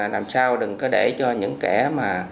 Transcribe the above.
làm sao đừng có để cho những kẻ mà